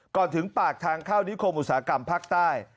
ถึงปากทางเข้านิคมอุตสาหกรรมภาคใต้